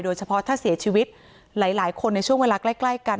โดยเฉพาะถ้าเสียชีวิตหลายคนในช่วงเวลาใกล้กัน